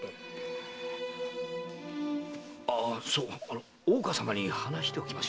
ああ大岡様に話しておきましょうか？